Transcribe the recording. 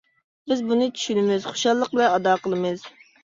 بىز بۇنى چۈشىنىمىز، خۇشاللىق بىلەن ئادا قىلىمىز.